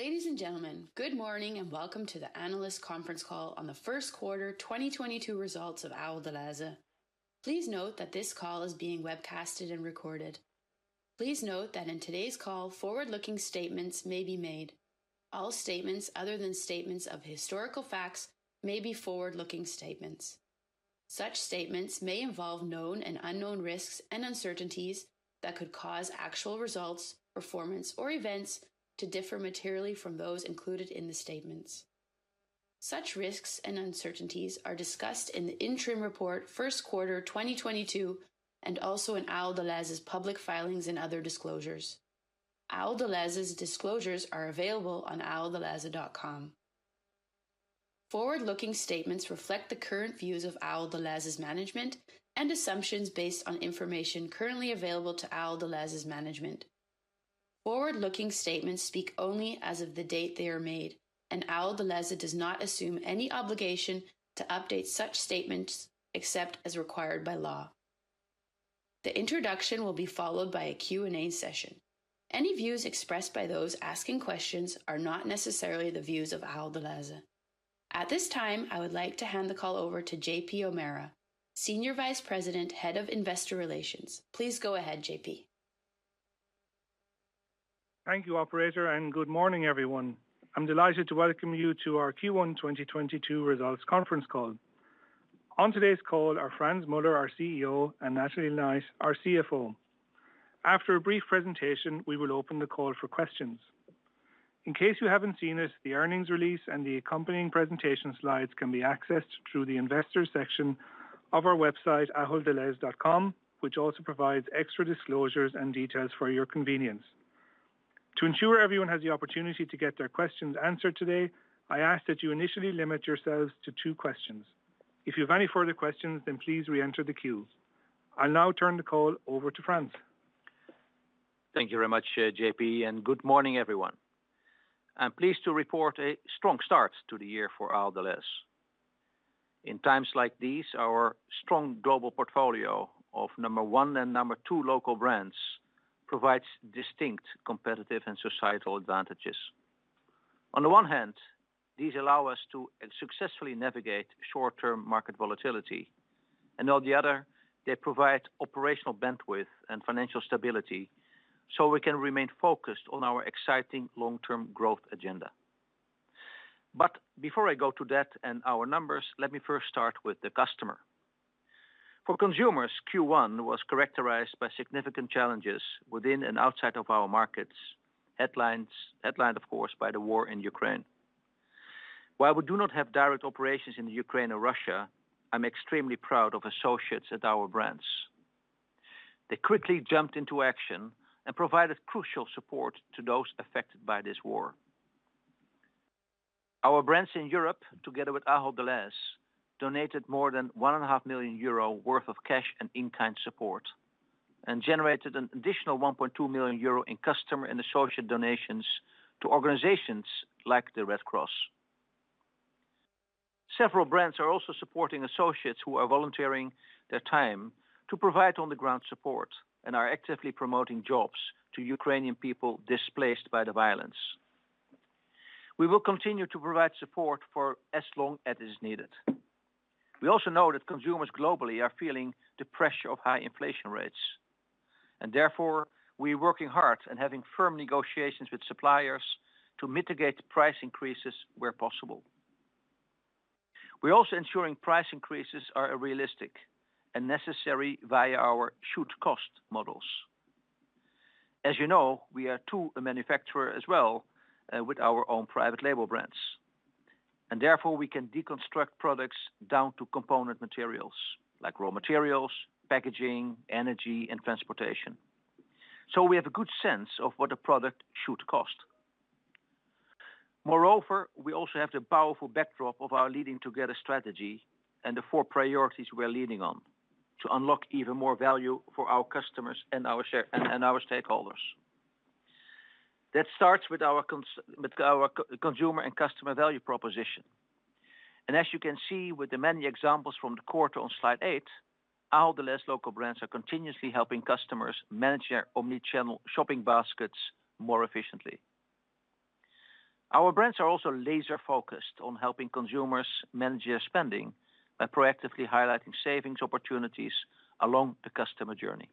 Ladies and gentlemen, good morning and Welcome to the Analyst Conference Call on The First Quarter 2022 Results of Ahold Delhaize. Please note that this call is being webcasted and recorded. Please note that in today's call, forward-looking statements may be made. All statements other than statements of historical facts may be forward-looking statements. Such statements may involve known and unknown risks and uncertainties that could cause actual results, performance, or events to differ materially from those included in the statements. Such risks and uncertainties are discussed in the interim report first quarter 2022 and also in Ahold Delhaize's public filings and other disclosures. Ahold Delhaize's disclosures are available on aholddelhaize.com. Forward-looking statements reflect the current views of Ahold Delhaize's management and assumptions based on information currently available to Ahold Delhaize's management. Forward-looking statements speak only as of the date they are made, and Ahold Delhaize does not assume any obligation to update such statements except as required by law. The introduction will be followed by a Q&A session. Any views expressed by those asking questions are not necessarily the views of Ahold Delhaize. At this time, I would like to hand the call over to J.P. O'Meara, Senior Vice President, Head of Investor Relations. Please go ahead, J.P. Thank you, operator, and good morning, everyone. I'm delighted to Welcome you to Our Q1 2022 Results Conference Call. On today's call are Frans Muller, our CEO, and Natalie Knight, our CFO. After a brief presentation, we will open the call for questions. In case you haven't seen it, the earnings release and the accompanying presentation slides can be accessed through the investor section of our website, aholddelhaize.com, which also provides extra disclosures and details for your convenience. To ensure everyone has the opportunity to get their questions answered today, I ask that you initially limit yourselves to two questions. If you have any further questions, please reenter the queue. I'll now turn the call over to Frans. Thank you very much, J.P., and good morning, everyone. I'm pleased to report a strong start to the year for Ahold Delhaize. In times like these, our strong global portfolio of number one and number two local brands provides distinct competitive and societal advantages. On the one hand, these allow us to successfully navigate short-term market volatility, and on the other, they provide operational bandwidth and financial stability so we can remain focused on our exciting long-term growth agenda. Before I go to that and our numbers, let me first start with the customer. For consumers, Q1 was characterized by significant challenges within and outside of our markets, headlined, of course, by the war in Ukraine. While we do not have direct operations in Ukraine or Russia, I'm extremely proud of associates at our brands. They quickly jumped into action and provided crucial support to those affected by this war. Our brands in Europe, together with Ahold Delhaize, donated more than 1.5 million euro worth of cash and in-kind support, and generated an additional 1.2 million euro in customer and associate donations to organizations like the Red Cross. Several brands are also supporting associates who are volunteering their time to provide on-the-ground support and are actively promoting jobs to Ukrainian people displaced by the violence. We will continue to provide support for as long as is needed. We also know that consumers globally are feeling the pressure of high inflation rates, and therefore, we are working hard and having firm negotiations with suppliers to mitigate the price increases where possible. We're also ensuring price increases are realistic and necessary via our should-cost models. As you know, we are also a manufacturer as well, with our own private label brands, and therefore, we can deconstruct products down to component materials like raw materials, packaging, energy, and transportation. We have a good sense of what a product should cost. Moreover, we also have the powerful backdrop of our Leading Together Strategy and the four priorities we're leading on to unlock even more value for our customers and our shareholders and our stakeholders. That starts with our consumer and customer value proposition. As you can see with the many examples from the quarter on slide eight, Ahold Delhaize local brands are continuously helping customers manage their omnichannel shopping baskets more efficiently. Our brands are also laser-focused on helping consumers manage their spending by proactively highlighting savings opportunities along the customer journey.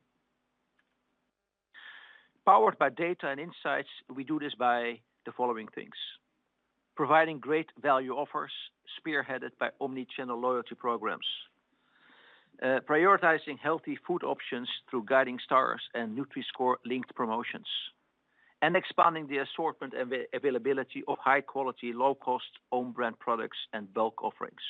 Powered by data and insights, we do this by the following things: providing great value offers spearheaded by omnichannel loyalty programs, prioritizing healthy food options through Guiding Stars and Nutri-Score linked promotions, and expanding the assortment availability of high quality, low cost, own brand products and bulk offerings.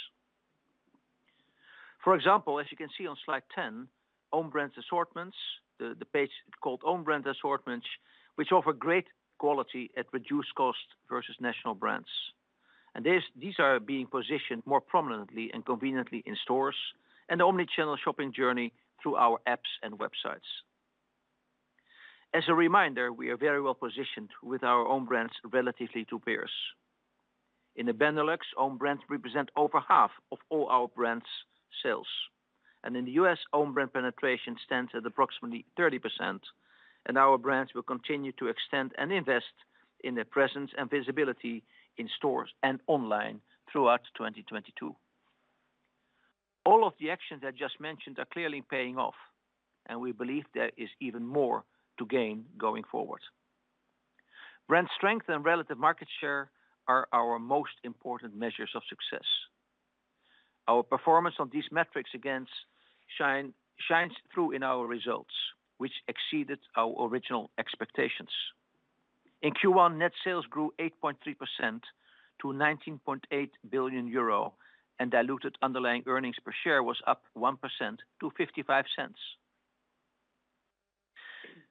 For example, as you can see on slide 10, own brand assortments, the page called own brand assortments, which offer great quality at reduced cost vs national brands. This, these are being positioned more prominently and conveniently in stores and omnichannel shopping journey through our apps and websites. As a reminder, we are very well-positioned with our own brands relative to peers. In the Benelux, own brands represent over half of all our brands' sales. In the U.S., own brand penetration stands at approximately 30%, and our brands will continue to extend and invest in their presence and visibility in stores and online throughout 2022. All of the actions I just mentioned are clearly paying off, and we believe there is even more to gain going forward. Brand strength and relative market share are our most important measures of success. Our performance on these metrics against shine, shines through in our results, which exceeded our original expectations. In Q1, net sales grew 8.3% to 19.8 billion euro, and diluted underlying earnings per share was up 1% to 0.55.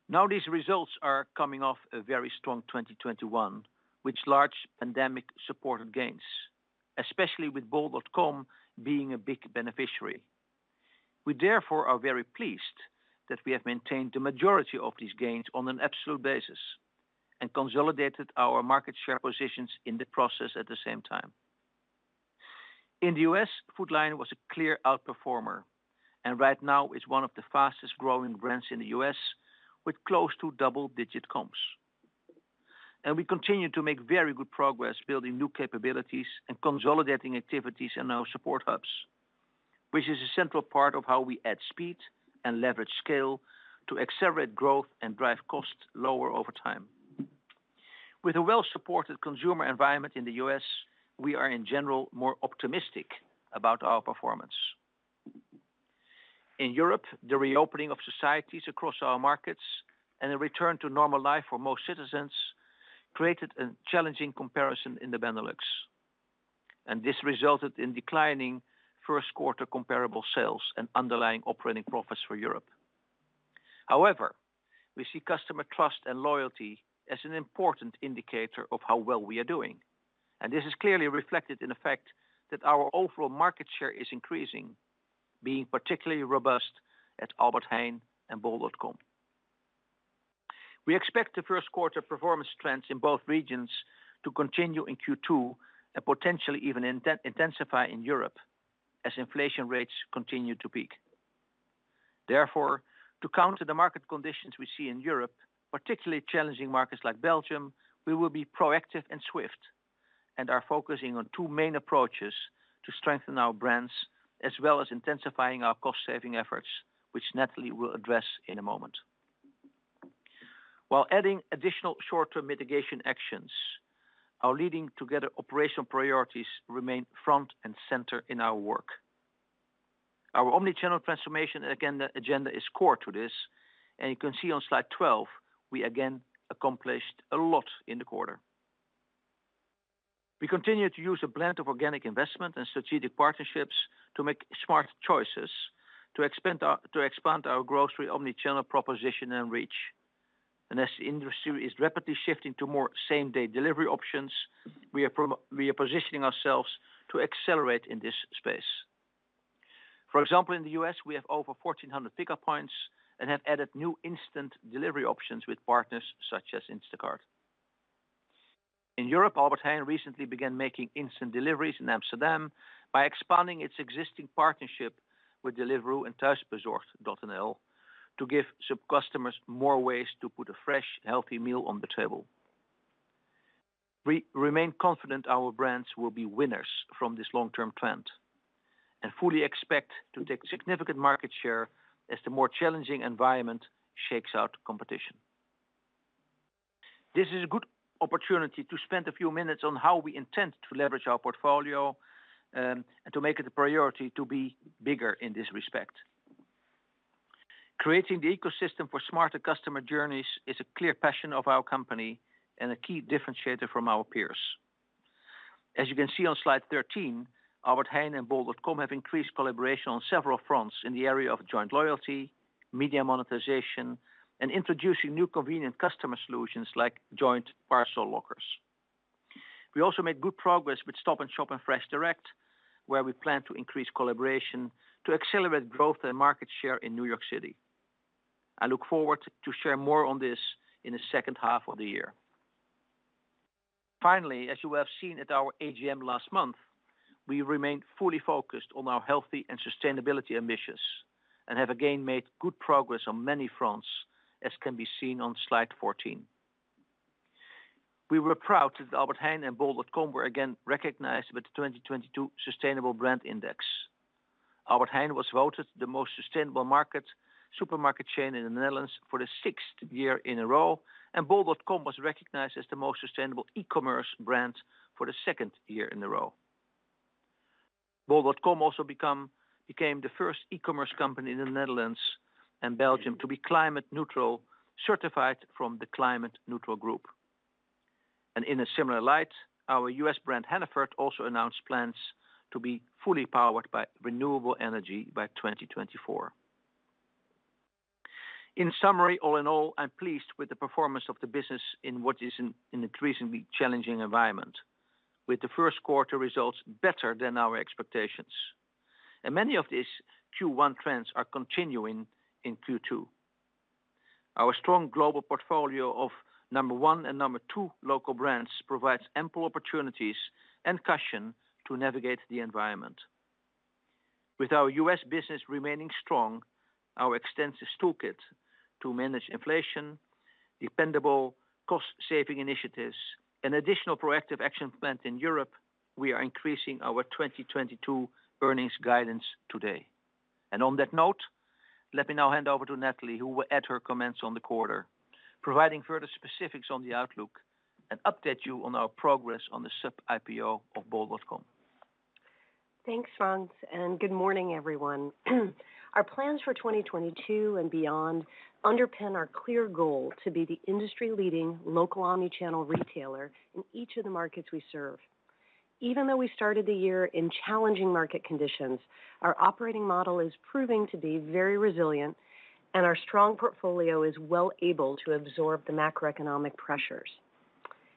Now these results are coming off a very strong 2021, with large pandemic-supported gains, especially with bol.com being a big beneficiary. We therefore are very pleased that we have maintained the majority of these gains on an absolute basis and consolidated our market share positions in the process at the same time. In the U.S., Food Lion was a clear outperformer, and right now is one of the fastest-growing brands in the U.S. with close to double-digit comps. We continue to make very good progress building new capabilities and consolidating activities in our support hubs, which is a central part of how we add speed and leverage scale to accelerate growth and drive costs lower over time. With a well-supported consumer environment in the U.S., we are in general more optimistic about our performance. In Europe, the reopening of societies across our markets and a return to normal life for most citizens created a challenging comparison in the Benelux, and this resulted in declining first quarter comparable sales and underlying operating profits for Europe. However, we see customer trust and loyalty as an important indicator of how well we are doing, and this is clearly reflected in the fact that our overall market share is increasing, being particularly robust at Albert Heijn and bol.com. We expect the first quarter performance trends in both regions to continue in Q2 and potentially even intensify in Europe as inflation rates continue to peak. Therefore, to counter the market conditions we see in Europe, particularly challenging markets like Belgium, we will be proactive and swift and are focusing on two main approaches to strengthen our brands, as well as intensifying our cost-saving efforts, which Natalie will address in a moment. While adding additional short-term mitigation actions, our Leading Together operational priorities remain front and center in our work. Our omni-channel transformation agenda is core to this, and you can see on slide 12, we again accomplished a lot in the quarter. We continue to use a blend of organic investment and strategic partnerships to make smart choices to expand our grocery omni-channel proposition and reach. As the industry is rapidly shifting to more same-day delivery options, we are positioning ourselves to accelerate in this space. For example, in the U.S., we have over 1,400 pickup points and have added new instant delivery options with partners such as Instacart. In Europe, Albert Heijn recently began making instant deliveries in Amsterdam by expanding its existing partnership with Deliveroo and Thuisbezorgd.nl to give our customers more ways to put a fresh, healthy meal on the table. We remain confident our brands will be winners from this long-term trend and fully expect to take significant market share as the more challenging environment shakes out competition. This is a good opportunity to spend a few minutes on how we intend to leverage our portfolio, and to make it a priority to be bigger in this respect. Creating the ecosystem for smarter customer journeys is a clear passion of our company and a key differentiator from our peers. As you can see on slide 13, Albert Heijn and bol.com have increased collaboration on several fronts in the area of joint loyalty, media monetization, and introducing new convenient customer solutions like joint parcel lockers. We also made good progress with Stop & Shop and FreshDirect, where we plan to increase collaboration to accelerate growth and market share in New York City. I look forward to share more on this in the second half of the year. Finally, as you have seen at our AGM last month, we remain fully focused on our healthy and sustainability ambitions and have again made good progress on many fronts, as can be seen on slide 14. We were proud that Albert Heijn and bol.com were again recognized with the 2022 Sustainable Brand Index. Albert Heijn was voted the most sustainable supermarket chain in the Netherlands for the sixth year in a row, and bol.com was recognized as the most sustainable e-commerce brand for the second year in a row. Bol.com also became the first e-commerce company in the Netherlands and Belgium to be climate neutral, certified from the Climate Neutral Group. In a similar light, our U.S. brand, Hannaford, also announced plans to be fully powered by renewable energy by 2024. In summary, all in all, I'm pleased with the performance of the business in what is an increasingly challenging environment, with the first quarter results better than our expectations. Many of these Q1 trends are continuing in Q2. Our strong global portfolio of number one and number two local brands provides ample opportunities and caution to navigate the environment. With our U.S. business remaining strong, our extensive toolkit to manage inflation, dependable cost-saving initiatives, and additional proactive action plan in Europe, we are increasing our 2022 earnings guidance today. On that note, let me now hand over to Natalie, who will add her comments on the quarter, providing further specifics on the outlook and update you on our progress on the sub-IPO of bol.com. Thanks, Frans, and good morning, everyone. Our plans for 2022 and beyond underpin our clear goal to be the industry leading local omni-channel retailer in each of the markets we serve. Even though we started the year in challenging market conditions, our operating model is proving to be very resilient and our strong portfolio is well able to absorb the macroeconomic pressures.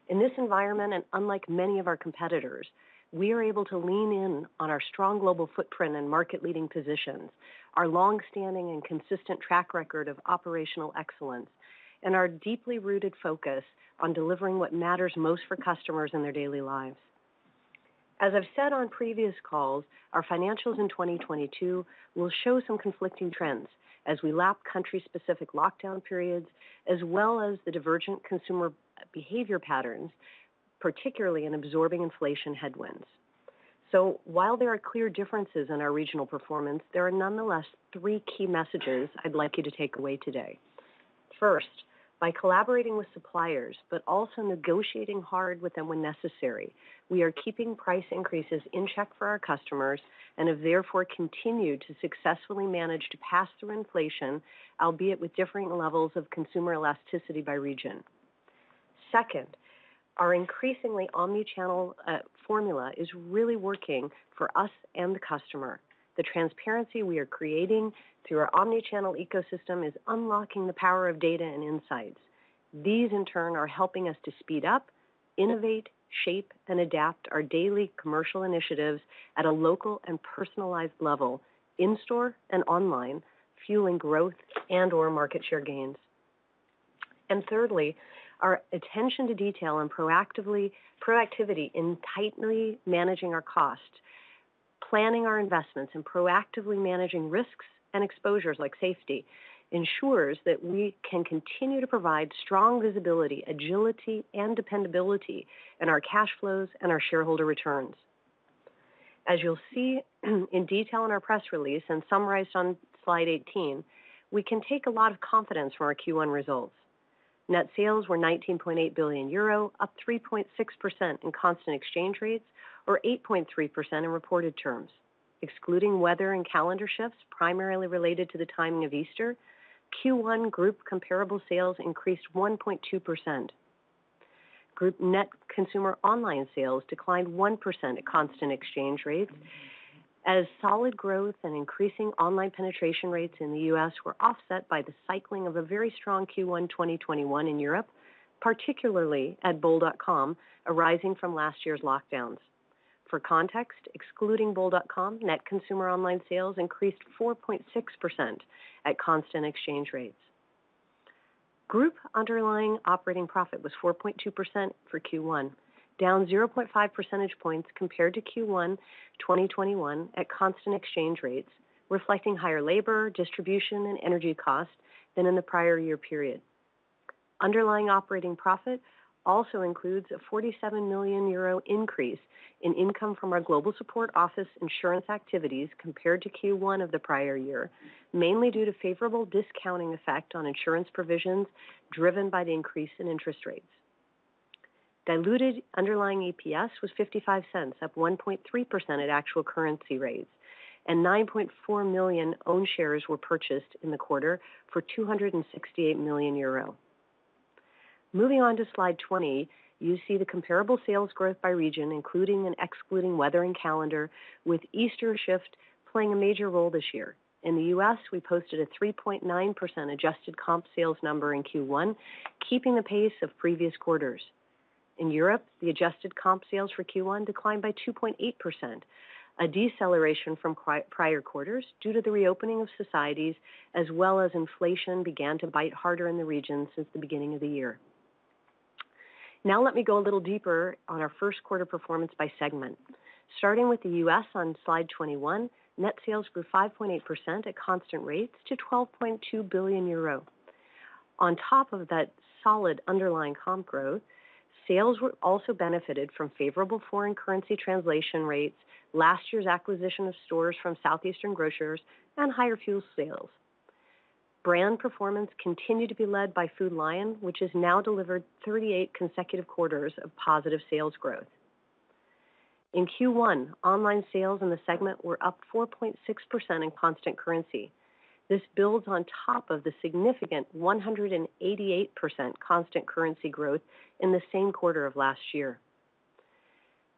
In this environment, and unlike many of our competitors, we are able to lean in on our strong global footprint and market leading positions, our long-standing and consistent track record of operational excellence, and our deeply rooted focus on delivering what matters most for customers in their daily lives. As I've said on previous calls, our financials in 2022 will show some conflicting trends as we lap country-specific lockdown periods, as well as the divergent consumer behavior patterns, particularly in absorbing inflation headwinds. While there are clear differences in our regional performance, there are nonetheless three key messages I'd like you to take away today. First, by collaborating with suppliers, but also negotiating hard with them when necessary, we are keeping price increases in check for our customers and have therefore continued to successfully manage to pass through inflation, albeit with differing levels of consumer elasticity by region. Second, our increasingly omni-channel formula is really working for us and the customer. The transparency we are creating through our omni-channel ecosystem is unlocking the power of data and insights. These, in turn, are helping us to speed up, innovate, shape, and adapt our daily commercial initiatives at a local and personalized level in store and online, fueling growth and/or market share gains. Thirdly, our attention to detail and proactivity in tightly managing our cost, planning our investments, and proactively managing risks and exposures like safety ensures that we can continue to provide strong visibility, agility, and dependability in our cash flows and our shareholder returns. As you'll see in detail in our press release and summarized on slide 18, we can take a lot of confidence from our Q1 results. Net sales were 19.8 billion euro, up 3.6% in constant exchange rates, or 8.3% in reported terms. Excluding weather and calendar shifts, primarily related to the timing of Easter, Q1 group comparable sales increased 1.2%. Group net consumer online sales declined 1% at constant exchange rates as solid growth and increasing online penetration rates in the U.S. were offset by the cycling of a very strong Q1 2021 in Europe, particularly at bol.com, arising from last year's lockdowns. For context, excluding bol.com, net consumer online sales increased 4.6% at constant exchange rates. Group underlying operating profit was 4.2% for Q1, down 0.5 percentage points compared to Q1 2021 at constant exchange rates, reflecting higher labor, distribution, and energy costs than in the prior year period. Underlying operating profit also includes a 47 million euro increase in income from our global support office insurance activities compared to Q1 of the prior year, mainly due to favorable discounting effect on insurance provisions driven by the increase in interest rates. Diluted underlying EPS was 0.55, up 1.3% at actual currency rates, and 9.4 million own shares were purchased in the quarter for 268 million euro. Moving on to slide 20, you see the comparable sales growth by region, including and excluding weather and calendar, with Easter shift playing a major role this year. In the U.S., we posted a 3.9% adjusted comp sales number in Q1, keeping the pace of previous quarters. In Europe, the adjusted comp sales for Q1 declined by 2.8%, a deceleration from prior quarters due to the reopening of societies as well as inflation began to bite harder in the region since the beginning of the year. Now le.t me go a little deeper on our first quarter performance by segment. Starting with the U.S. on slide 21, net sales grew 5.8% at constant rates to 12.2 billion euro. On top of that solid underlying comp growth, sales were also benefited from favorable foreign currency translation rates, last year's acquisition of stores from Southeastern Grocers, and higher fuel sales. Brand performance continued to be led by Food Lion, which has now delivered 38 consecutive quarters of positive sales growth. In Q1, online sales in the segment were up 4.6% in constant currency. This builds on top of the significant 188% constant currency growth in the same quarter of last year.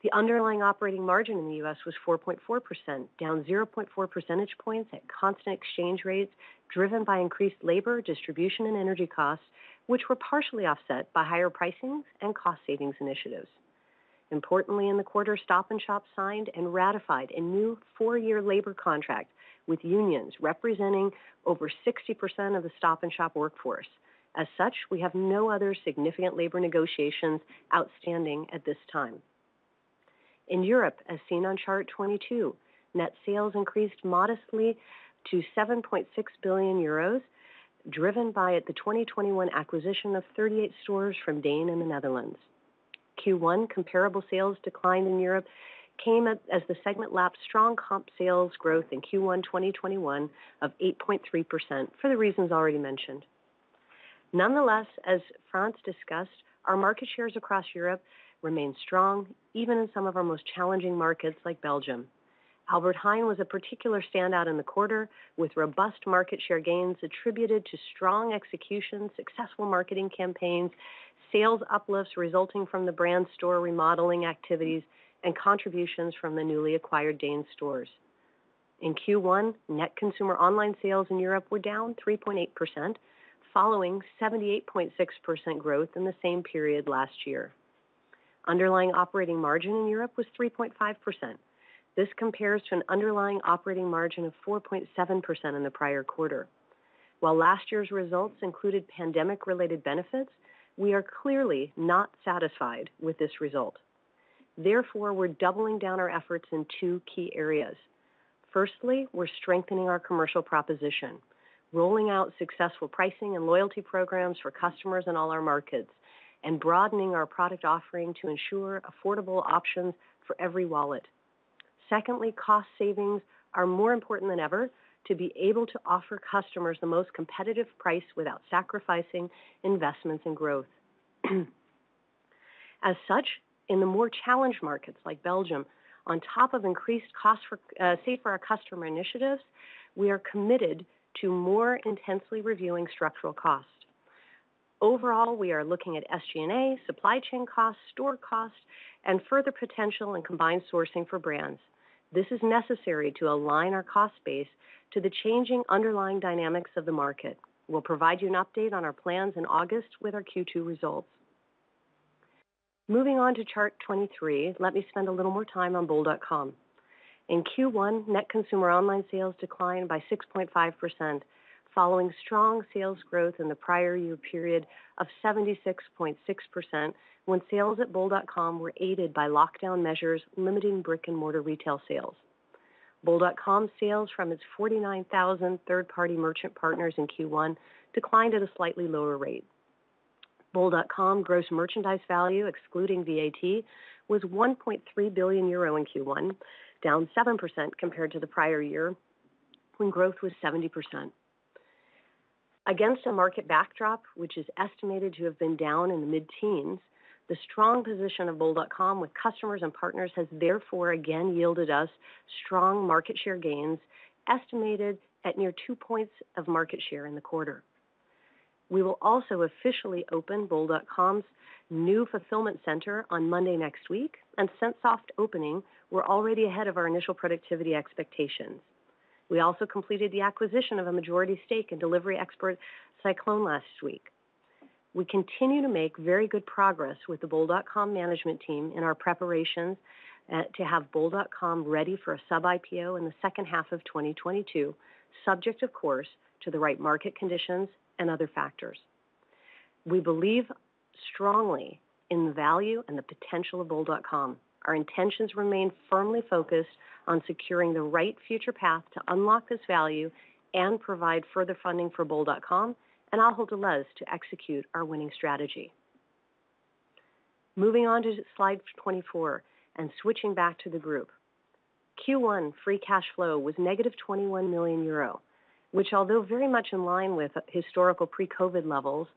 The underlying operating margin in the U.S. was 4.4%, down 0.4 percentage points at constant exchange rates driven by increased labor, distribution, and energy costs, which were partially offset by higher pricing and cost savings initiatives. Importantly in the quarter, Stop & Shop signed and ratified a new four-year labor contract with unions representing over 60% of the Stop & Shop workforce. As such, we have no other significant labor negotiations outstanding at this time. In Europe, as seen on chart 22, net sales increased modestly to 7.6 billion euros, driven by the 2021 acquisition of 38 stores from DEEN in the Netherlands. Q1 comparable sales decline in Europe came up as the segment lapped strong comp sales growth in Q1 2021 of 8.3% for the reasons already mentioned. Nonetheless, as Frans discussed, our market shares across Europe remain strong, even in some of our most challenging markets like Belgium. Albert Heijn was a particular standout in the quarter, with robust market share gains attributed to strong execution, successful marketing campaigns, sales uplifts resulting from the brand store remodeling activities, and contributions from the newly acquired DEEN stores. In Q1, net consumer online sales in Europe were down 3.8%, following 78.6% growth in the same period last year. Underlying operating margin in Europe was 3.5%. This compares to an underlying operating margin of 4.7% in the prior quarter. While last year's results included pandemic-related benefits, we are clearly not satisfied with this result. Therefore, we're doubling down our efforts in two key areas. Firstly, we're strengthening our commercial proposition, rolling out successful pricing and loyalty programs for customers in all our markets, and broadening our product offering to ensure affordable options for every wallet. Secondly, cost savings are more important than ever to be able to offer customers the most competitive price without sacrificing investments and growth. As such, in the more challenged markets like Belgium, on top of increased cost for Save for Our Customers initiatives, we are committed to more intensely reviewing structural costs. Overall, we are looking at SG&A, supply chain costs, store costs, and further potential in combined sourcing for brands. This is necessary to align our cost base to the changing underlying dynamics of the market. We'll provide you an update on our plans in August with our Q2 results. Moving on to chart 23, let me spend a little more time on bol.com. In Q1, net consumer online sales declined by 6.5%, following strong sales growth in the prior year period of 76.6% when sales at bol.com were aided by lockdown measures limiting brick-and-mortar retail sales. Bol.com sales from its 49,000 third-party merchant partners in Q1 declined at a slightly lower rate. Bol.com gross merchandise value, excluding VAT, was 1.3 billion euro in Q1, down 7% compared to the prior year when growth was 70%. Against a market backdrop, which is estimated to have been down in the mid-teens, the strong position of bol.com with customers and partners has therefore again yielded us strong market share gains, estimated at near 2 points of market share in the quarter. We will also officially open bol.com's new fulfillment center on Monday next week, and since soft opening, we're already ahead of our initial productivity expectations. We also completed the acquisition of a majority stake in delivery expert Cycloon last week. We continue to make very good progress with the bol.com management team in our preparations to have bol.com ready for a sub-IPO in the second half of 2022, subject of course to the right market conditions and other factors. We believe strongly in the value and the potential of bol.com. Our intentions remain firmly focused on securing the right future path to unlock this value and provide further funding for bol.com and Ahold Delhaize to execute our winning strategy. Moving on to slide 24 and switching back to the group. Q1 free cash flow was -21 million euro, which although very much in line with historical pre-COVID levels,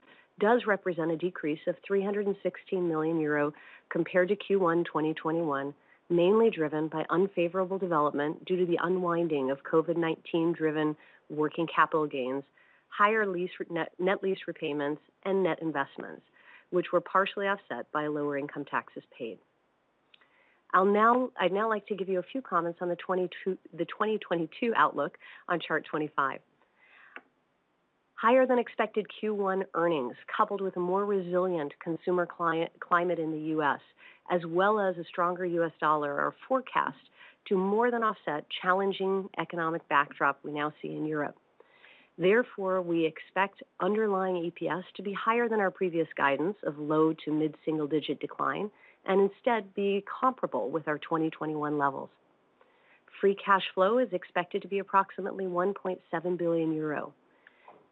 does represent a decrease of 316 million euro compared to Q1 2021, mainly driven by unfavorable development due to the unwinding of COVID-19 driven working capital gains, higher net lease repayments and net investments, which were partially offset by lower income taxes paid. I'd now like to give you a few comments on the 2022 outlook on chart 25. Higher than expected Q1 earnings, coupled with a more resilient consumer climate in the U.S., as well as a stronger U.S. dollar, are forecast to more than offset challenging economic backdrop we now see in Europe. Therefore, we expect underlying EPS to be higher than our previous guidance of low- to mid-single-digit decline, and instead be comparable with our 2021 levels. Free cash flow is expected to be approximately 1.7 billion euro.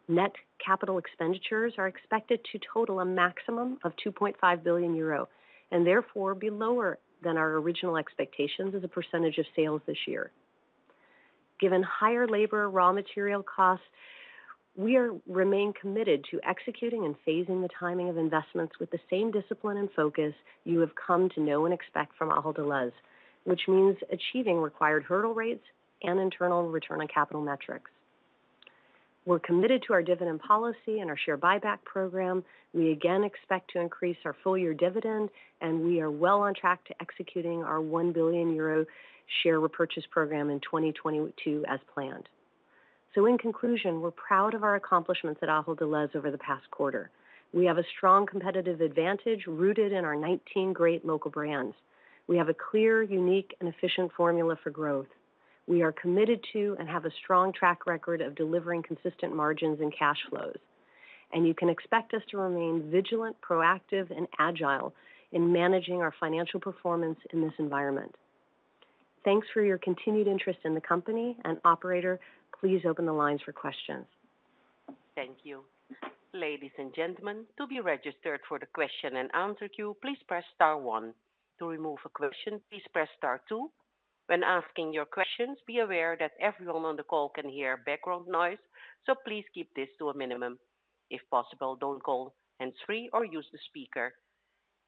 Net capital expenditures are expected to total a maximum of 2.5 billion euro, and therefore be lower than our original expectations as a% of sales this year. Given higher labor, raw material costs, we remain committed to executing and phasing the timing of investments with the same discipline and focus you have come to know and expect from Ahold Delhaize, which means achieving required hurdle rates and internal return on capital metrics. We're committed to our dividend policy and our share buyback program. We again expect to increase our full year dividend, and we are well on track to executing our 1 billion euro share repurchase program in 2022 as planned. In conclusion, we're proud of our accomplishments at Ahold Delhaize over the past quarter. We have a strong competitive advantage rooted in our 19 great local brands. We have a clear, unique, and efficient formula for growth. We are committed to, and have a strong track record of delivering consistent margins and cash flows. You can expect us to remain vigilant, proactive, and agile in managing our financial performance in this environment. Thanks for your continued interest in the company. Operator, please open the lines for questions. Thank you. Ladies and gentlemen, to be registered for the question and answer queue, please press star one. To remove a question, please press star two. When asking your questions, be aware that everyone on the call can hear background noise, so please keep this to a minimum. If possible, don't call hands-free or use the speaker.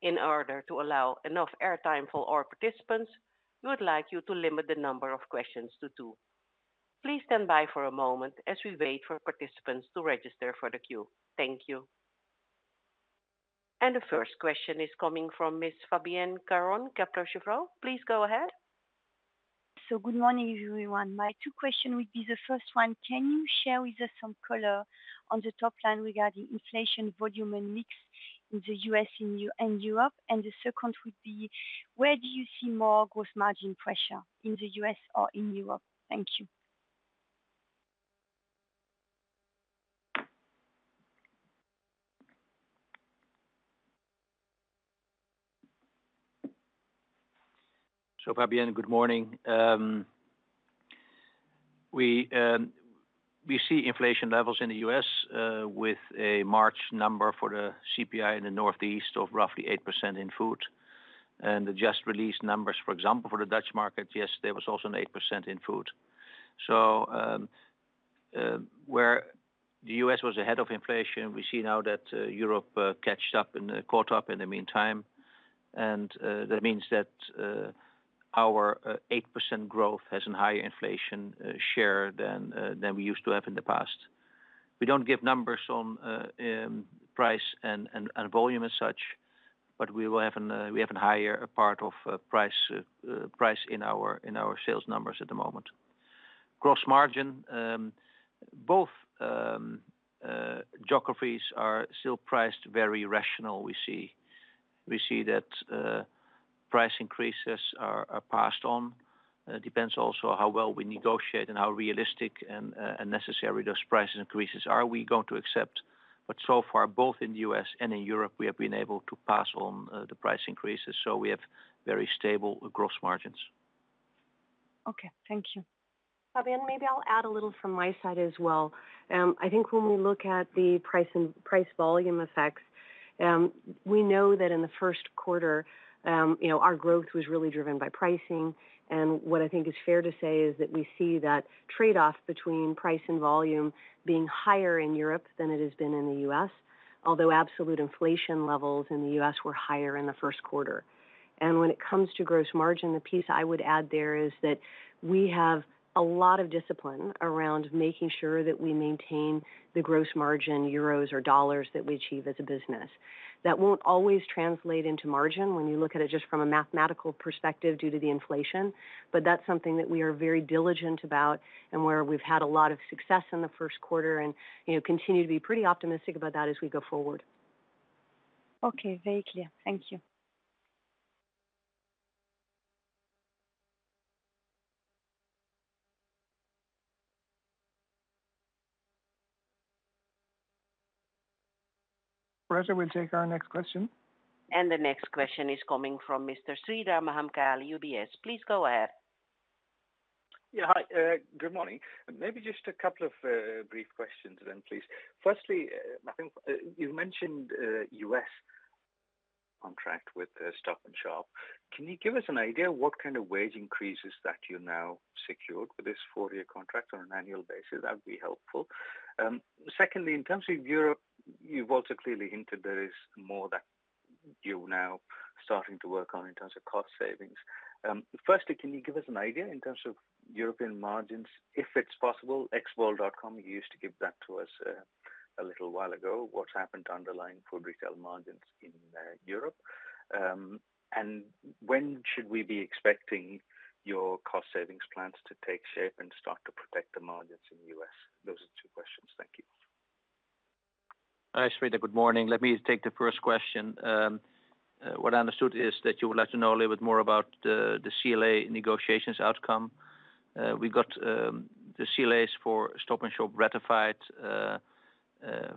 In order to allow enough air time for all participants, we would like you to limit the number of questions to two. Please stand by for a moment as we wait for participants to register for the queue. Thank you. The first question is coming from Miss Fabienne Caron, Kepler Cheuvreux. Please go ahead. Good morning, everyone. My two question would be, the first one, can you share with us some color on the top line regarding inflation, volume, and mix in the U.S. and Europe? The second would be, where do you see more gross margin pressure, in the U.S. or in Europe? Thank you. Fabienne, good morning. We see inflation levels in the U.S., with a March number for the CPI in the Northeast of roughly 8% in food. The just released numbers, for example, for the Dutch market, yes, there was also an 8% in food. Where the U.S. was ahead of inflation, we see now that Europe caught up in the meantime. That means that our 8% growth has a higher inflation share than we used to have in the past. We don't give numbers on price and volume as such, but we have a higher part of price in our sales numbers at the moment. Gross margin, both geographies are still priced very rationally. We see that price increases are passed on. Depends also how well we negotiate and how realistic and necessary those price increases are we going to accept. So far, both in the U.S. and in Europe, we have been able to pass on the price increases, so we have very stable gross margins. Okay. Thank you. Fabienne, maybe I'll add a little from my side as well. I think when we look at the price and volume effects, we know that in the first quarter, you know, our growth was really driven by pricing. What I think is fair to say is that we see that trade-off between price and volume being higher in Europe than it has been in the U.S., although absolute inflation levels in the U.S. were higher in the first quarter. When it comes to gross margin, the piece I would add there is that we have a lot of discipline around making sure that we maintain the gross margin euros or dollars that we achieve as a business. That won't always translate into margin when you look at it just from a mathematical perspective due to the inflation, but that's something that we are very diligent about and where we've had a lot of success in the first quarter and, you know, continue to be pretty optimistic about that as we go forward. Okay. Very clear. Thank you. Operator, we'll take our next question. The next question is coming from Mr. Sreedhar Mahamkali, UBS. Please go ahead. Yeah. Hi, good morning. Maybe just a couple of brief questions then, please. Firstly, I think you've mentioned U.S. contract with Stop & Shop. Can you give us an idea what kind of wage increases that you now secured for this four-year contract on an annual basis? That'd be helpful. Secondly, in terms of Europe, you've also clearly hinted there is more that you're now starting to work on in terms of cost savings. Firstly, can you give us an idea in terms of European margins, if it's possible, ex bol.com? You used to give that to us a little while ago. What's happened to underlying food retail margins in Europe? And when should we be expecting your cost savings plans to take shape and start to protect the margins in the U.S.? Those are the two questions. Thank you. Hi, Sreedhar. Good morning. Let me take the first question. What I understood is that you would like to know a little bit more about the CLA negotiations outcome. We got the CLAs for Stop & Shop ratified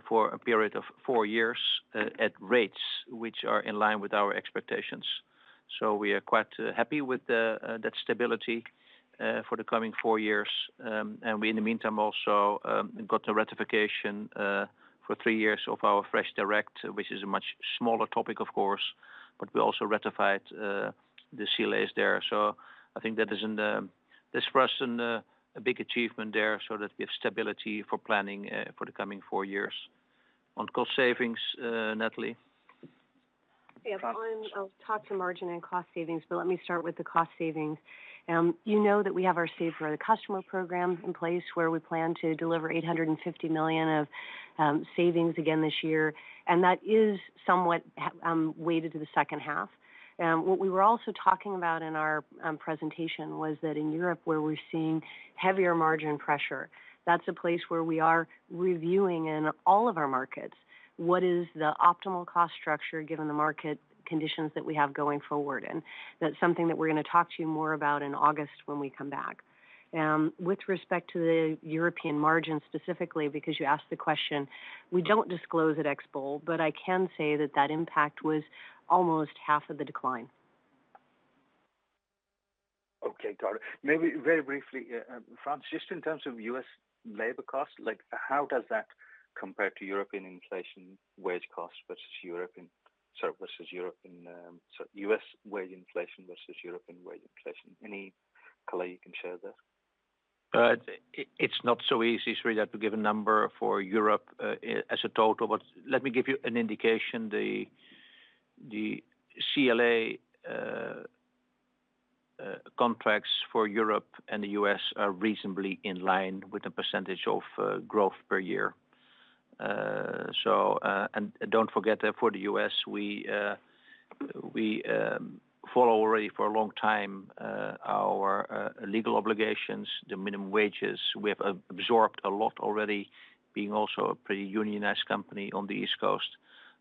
for a period of four years at rates which are in line with our expectations. We are quite happy with that stability for the coming four years. In the meantime, also got a ratification for three years of our FreshDirect, which is a much smaller topic, of course, but we also ratified the CLAs there. I think that is a big achievement for us there so that we have stability for planning for the coming four years. On cost savings, Natalie? Yeah. I'll talk to margin and cost savings, but let me start with the cost savings. You know that we have our Save for Our Customers program in place where we plan to deliver 850 million of savings again this year, and that is somewhat weighted to the second half. What we were also talking about in our presentation was that in Europe, where we're seeing heavier margin pressure, that's a place where we are reviewing in all of our markets what is the optimal cost structure given the market conditions that we have going forward. That's something that we're gonna talk to you more about in August when we come back. With respect to the European margin, specifically because you asked the question, we don't disclose it ex-bol, but I can say that impact was almost half of the decline. Okay, got it. Maybe very briefly, Frans, just in terms of U.S. labor costs, like how does that compare to European inflationary wage costs? U.S. wage inflation vs European wage inflation? Any color you can share there? It's not so easy, Sridhar, to give a number for Europe, as a total, but let me give you an indication. The CLA contracts for Europe and the U.S. are reasonably in line with the % of growth per year. Don't forget that for the U.S., we follow already for a long time our legal obligations, the minimum wages. We have absorbed a lot already being also a pretty unionized company on the East Coast.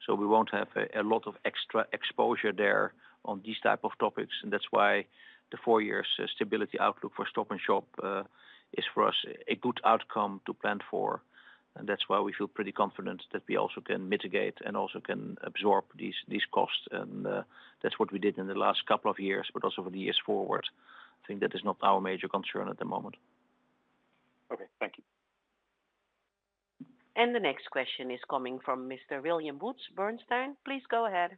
We won't have a lot of extra exposure there on these type of topics. That's why the four years stability outlook for Stop & Shop is for us a good outcome to plan for. That's why we feel pretty confident that we also can mitigate and also can absorb these costs. that's what we did in the last couple of years, but also for the years forward. I think that is not our major concern at the moment. Okay. Thank you. The next question is coming from Mr. William Woods, Bernstein. Please go ahead.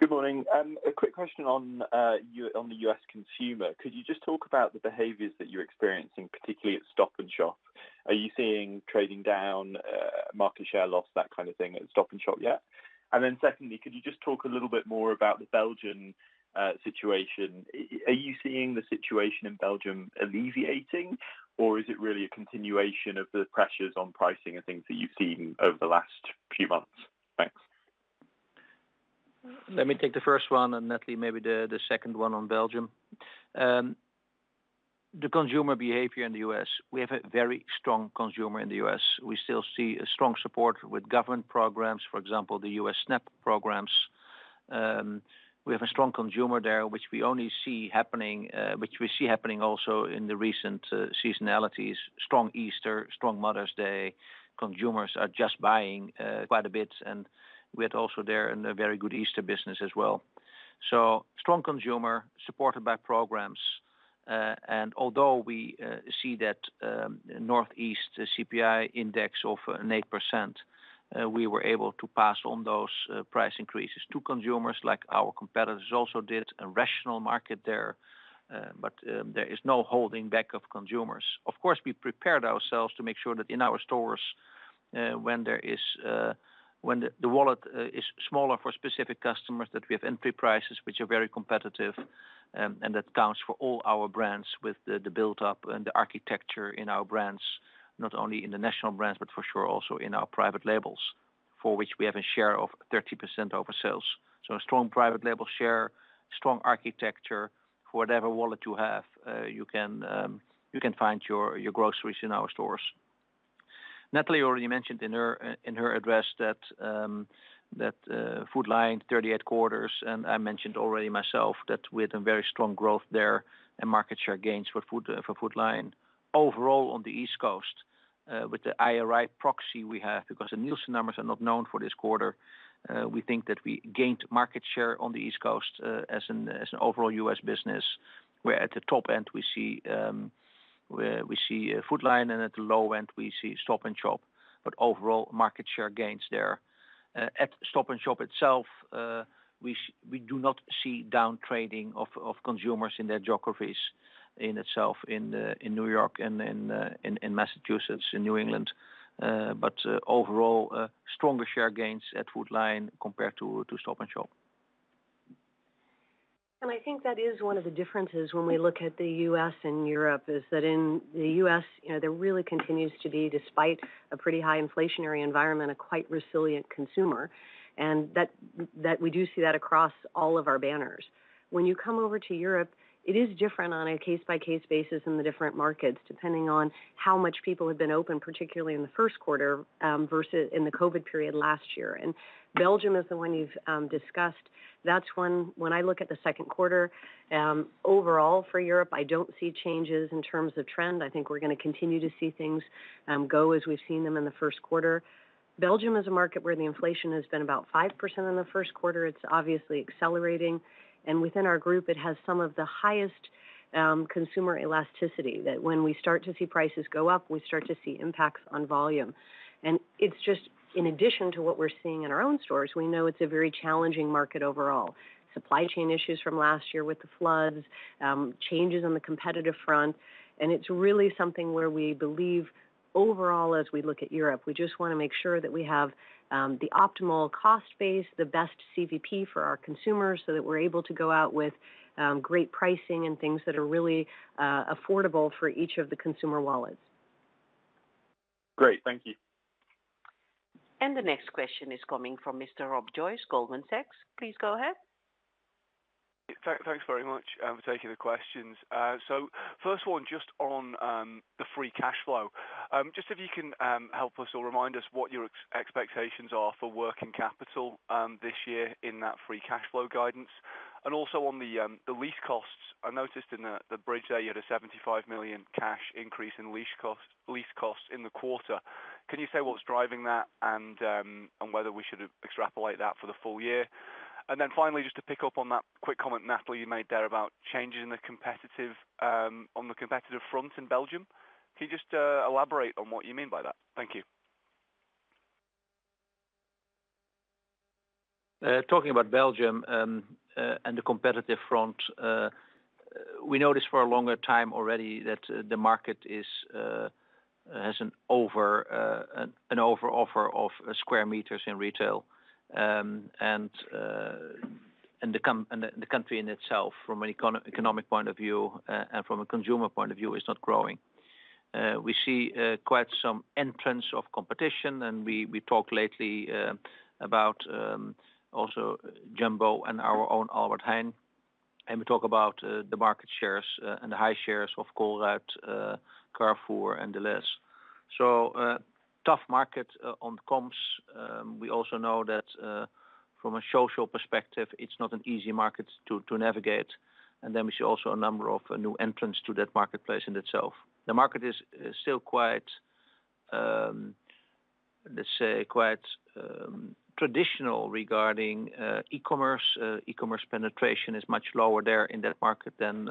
Good morning. A quick question on the U.S. consumer. Could you just talk about the behaviors that you're experiencing, particularly at Stop & Shop? Are you seeing trading down, market share loss, that kind of thing at Stop & Shop, yeah? Secondly, could you just talk a little bit more about the Belgian situation? Are you seeing the situation in Belgium alleviating, or is it really a continuation of the pressures on pricing and things that you've seen over the last few months? Thanks. Let me take the first one, and Natalie, maybe the second one on Belgium. The consumer behavior in the U.S., we have a very strong consumer in the U.S. We still see a strong support with government programs, for example, the U.S. SNAP programs. We have a strong consumer there, which we see happening also in the recent seasonalities, strong Easter, strong Mother's Day. Consumers are just buying quite a bit, and we had also there a very good Easter business as well. Strong consumer supported by programs. Although we see that Northeast CPI index of 8%, we were able to pass on those price increases to consumers like our competitors also did, a rational market there. There is no holding back of consumers. Of course, we prepared ourselves to make sure that in our stores, when the wallet is smaller for specific customers, that we have entry prices which are very competitive, and that counts for all our brands with the buildup and the architecture in our brands, not only in the national brands, but for sure also in our private labels for which we have a share of 30% of our sales. A strong private label share, strong architecture. For whatever wallet you have, you can find your groceries in our stores. Natalie already mentioned in her address that Food Lion, 38 quarters, and I mentioned already myself that we had a very strong growth there and market share gains for Food Lion. Overall on the East Coast, with the IRI proxy we have, because the Nielsen numbers are not known for this quarter, we think that we gained market share on the East Coast, as an overall U.S. business, where at the top end we see Food Lion, and at the low end we see Stop & Shop, but overall market share gains there. At Stop & Shop itself, we do not see down trading of consumers in their geographies in itself in New York and in Massachusetts, in New England. Overall, stronger share gains at Food Lion compared to Stop & Shop. I think that is one of the differences when we look at the U.S. and Europe, is that in the U.S., you know, there really continues to be, despite a pretty high inflationary environment, a quite resilient consumer, and that we do see that across all of our banners. When you come over to Europe, it is different on a case-by-case basis in the different markets, depending on how much people have been open, particularly in the first quarter, vs in the COVID period last year. Belgium is the one you've discussed. That's one when I look at the second quarter, overall for Europe, I don't see changes in terms of trend. I think we're gonna continue to see things, go as we've seen them in the first quarter. Belgium is a market where the inflation has been about 5% in the first quarter. It's obviously accelerating. Within our group, it has some of the highest consumer elasticity that when we start to see prices go up, we start to see impacts on volume. It's just in addition to what we're seeing in our own stores. We know it's a very challenging market overall. Supply chain issues from last year with the floods, changes on the competitive front, and it's really something where we believe overall, as we look at Europe, we just wanna make sure that we have the optimal cost base, the best CVP for our consumers, so that we're able to go out with great pricing and things that are really affordable for each of the consumer wallets. Great. Thank you. The next question is coming from Mr. Rob Joyce, Goldman Sachs. Please go ahead. Thanks very much for taking the questions. So first of all, just on the free cash flow, just if you can help us or remind us what your expectations are for working capital this year in that free cash flow guidance and also on the lease costs. I noticed in the bridge there you had a 75 million cash increase in lease costs in the quarter. Can you say what's driving that and whether we should extrapolate that for the full year? Finally, just to pick up on that quick comment, Natalie, you made there about changes on the competitive front in Belgium. Can you just elaborate on what you mean by that? Thank you. Talking about Belgium and the competitive front, we know this for a longer time already that the market has an oversupply of square meters in retail. The country in itself, from an economic point of view and from a consumer point of view, is not growing. We see quite some entrants of competition, and we talked lately about also Jumbo and our own Albert Heijn, and we talk about the market shares and the high shares of Colruyt, Carrefour, and Delhaize. Tough market on comps. We also know that from a social perspective, it's not an easy market to navigate. We see also a number of new entrants to that marketplace in itself. The market is still quite, let's say, quite traditional regarding e-commerce. E-commerce penetration is much lower there in that market than,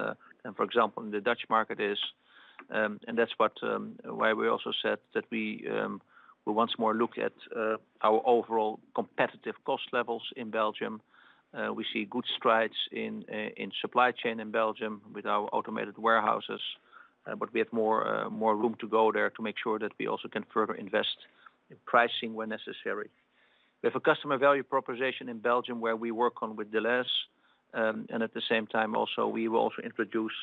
for example, in the Dutch market is. That's why we also said that we once more look at our overall competitive cost levels in Belgium. We see good strides in supply chain in Belgium with our automated warehouses, but we have more room to go there to make sure that we also can further invest in pricing where necessary. We have a customer value proposition in Belgium where we work on with Delhaize, and at the same time also, we will also introduce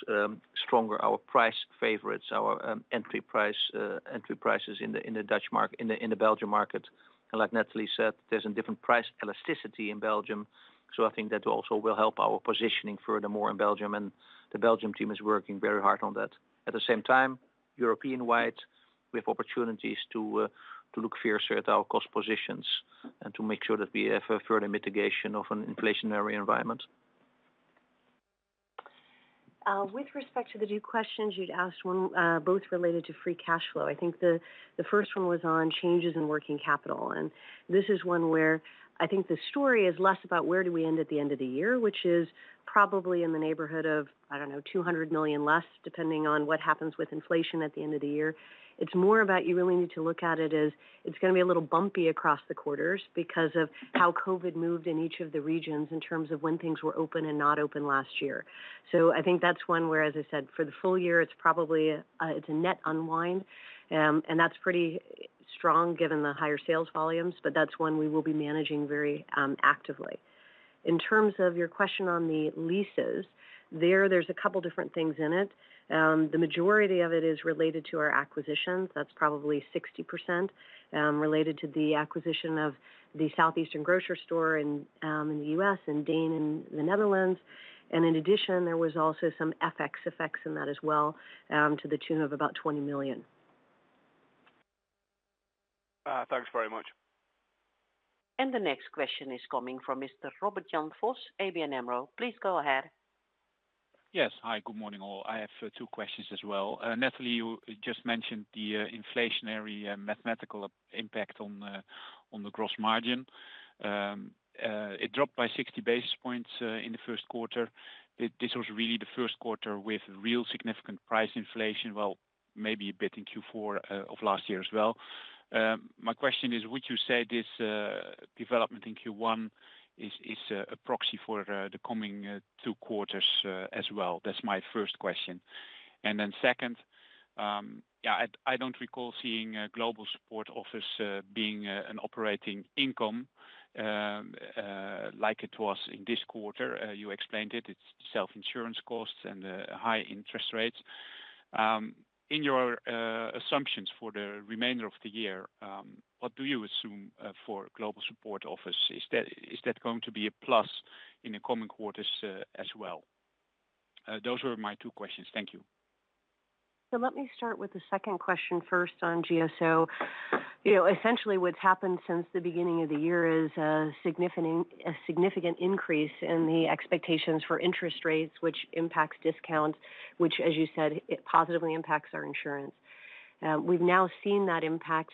stronger our Price Favorites, our entry prices in the Dutch market, in the Belgian market. like Natalie said, there's a different price elasticity in Belgium, so I think that also will help our positioning furthermore in Belgium, and the Belgium team is working very hard on that. At the same time, European-wide, we have opportunities to look fiercely at our cost positions and to make sure that we have a further mitigation of an inflationary environment. With respect to the two questions you'd asked, one, both related to free cash flow. I think the first one was on changes in working capital, and this is one where I think the story is less about where do we end at the end of the year, which is probably in the neighborhood of, I don't know, 200 million less, depending on what happens with inflation at the end of the year. It's more about you really need to look at it as it's gonna be a little bumpy across the quarters because of how COVID moved in each of the regions in terms of when things were open and not open last year. I think that's one where, as I said, for the full year, it's probably a net unwind, and that's pretty strong given the higher sales volumes, but that's one we will be managing very actively. In terms of your question on the leases, there's a couple different things in it. The majority of it is related to our acquisitions. That's probably 60%, related to the acquisition of the Southeastern Grocers store in the U.S. and DEEN in the Netherlands. In addition, there was also some FX effects in that as well, to the tune of about 20 million. Thanks very much. The next question is coming from Mr. Robert Jan Vos, ABN AMRO. Please go ahead. Yes. Hi, good morning, all. I have two questions as well. Natalie, you just mentioned the inflationary mathematical impact on the gross margin. It dropped by 60 basis points in the first quarter. This was really the first quarter with real significant price inflation. Well, maybe a bit in Q4 of last year as well. My question is, would you say this development in Q1 is a proxy for the coming two quarters as well? That's my first question. Second, I don't recall seeing a global support office being an operating income like it was in this quarter. You explained it. It's self-insurance costs and high interest rates. In your assumptions for the remainder of the year, what do you assume for Global Support Office? Is that going to be a plus in the coming quarters, as well? Those were my two questions. Thank you. Let me start with the second question first on GSO. Essentially what's happened since the beginning of the year is a significant increase in the expectations for interest rates, which impacts discount, which, as you said, it positively impacts our insurance. We've now seen that impact,